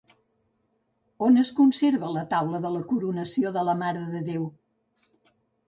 On es conserva la taula de la Coronació de la Mare de Déu?